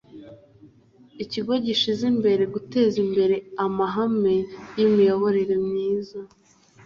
ikigo gishize imbere guteza imbere amahame y' imiyoborere myiza